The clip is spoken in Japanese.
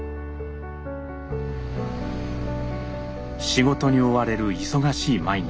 仕事に追われる忙しい毎日。